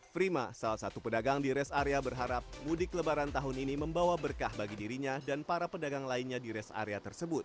prima salah satu pedagang di rest area berharap mudik lebaran tahun ini membawa berkah bagi dirinya dan para pedagang lainnya di rest area tersebut